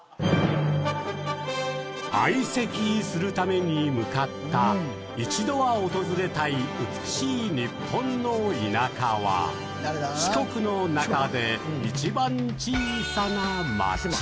相席するために向かった一度は訪れたい美しい日本の田舎は四国の中で一番小さな町。